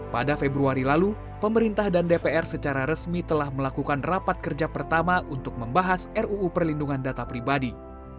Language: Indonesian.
pada februari lalu pemerintah dan dpr secara resmi telah melakukan rapat kerja pertama untuk membahas ruu perlindungan data pribadi